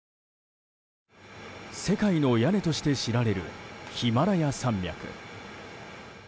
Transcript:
世界の屋根として知られるヒマラヤ山脈。